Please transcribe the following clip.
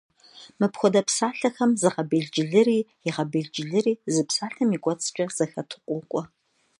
Мыпхуэдэ псалъэхэм зыгъэбелджылыри, игъэбелджылыри зы псалъэм и кӏуэцӏкӏэ зэхэту къокӏуэ.